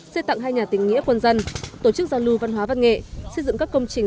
xây tặng hai nhà tình nghĩa quân dân tổ chức giao lưu văn hóa văn nghệ xây dựng các công trình